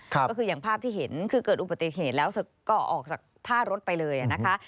ก็คืออย่างภาพที่เห็นคือเกิดอุบัติเหตุแล้วเธอก็ออกจากท่ารถไปเลยนะคะ